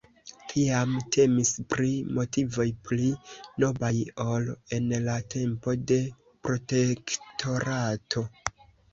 Tiam temis pri motivoj pli noblaj ol en la tempo de Protektorato.